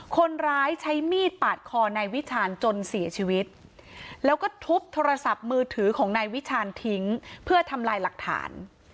คนร้ายใช้มีดปาดคอนายวิชาญจนเสียชีวิตแล้วก็ทุบโทรศัพท์มือถือของนายวิชาณทิ้งเพื่อทำลายหลักฐาน